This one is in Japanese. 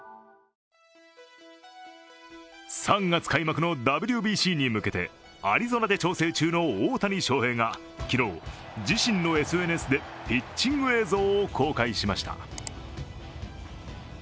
３月開幕のＷＢＣに向けて、アリゾナで調整中の大谷翔平が昨日、自身のＳＮＳでピッチング映像を公開しました。